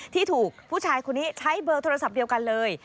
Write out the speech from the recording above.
ที่ถูกผู้ชายคนนี้ใช้เบอร์โทรศัพท์เดียวกันเลย